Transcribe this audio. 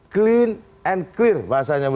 clean and clear bahasanya